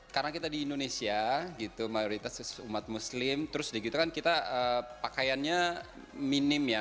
karena kita di indonesia gitu mayoritas umat muslim terus gitu kan kita pakaiannya minim ya